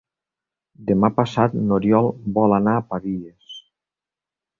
Demà passat n'Oriol vol anar a Pavies.